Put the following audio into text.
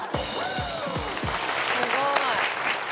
すごい。